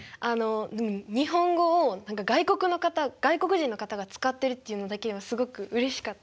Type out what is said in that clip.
日本語を何か外国人の方が使ってるっていうのだけでもすごくうれしかった。